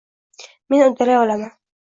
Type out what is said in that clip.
Men uddalay olaman